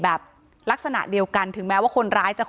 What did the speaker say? แล้วก็เดินคราวดี่เปิดประตูล้วยไว้